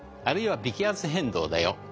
あるいは微気圧変動だよ。